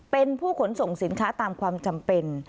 เป็นผู้ขนส่งสินค้าตามความจำเป็น